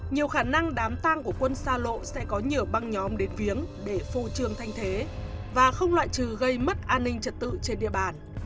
nhiều khả năng đám tăng của quân xa lộ sẽ có nhửa băng nhóm đến viếng để phù trường thanh thế và không loại trừ gây mất an ninh trật tự trên địa bàn